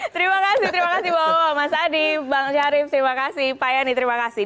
terima kasih terima kasih bapak mas adi bang syarif terima kasih pak yani terima kasih